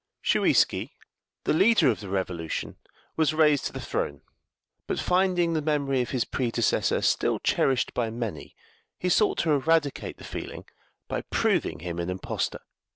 Shuiski, the leader of the revolution, was raised to the throne, but finding the memory of his predecessor still cherished by many, he sought to eradicate the feeling by proving him an impostor.